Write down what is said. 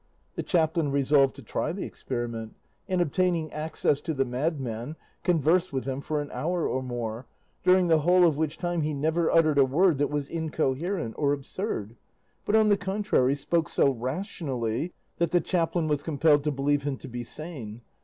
The chaplain resolved to try the experiment, and obtaining access to the madman conversed with him for an hour or more, during the whole of which time he never uttered a word that was incoherent or absurd, but, on the contrary, spoke so rationally that the chaplain was compelled to believe him to be sane.